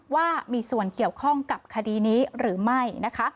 ว่ามีส่วนเกี่ยวข้องกับคดีนี้หรือไม่นะคะ